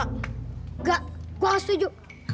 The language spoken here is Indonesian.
nggak gua setuju